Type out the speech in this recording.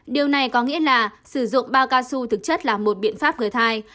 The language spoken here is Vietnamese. điều này có nghĩa là sử dụng bao cao su thực chất là một biện pháp gây thai